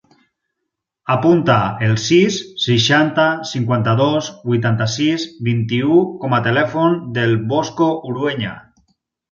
Apunta el sis, seixanta, cinquanta-dos, vuitanta-sis, vint-i-u com a telèfon del Bosco Urueña.